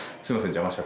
邪魔して」